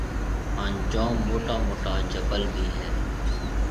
هانَ جوم موٽا موٽا جبل ڀِي هيَ۔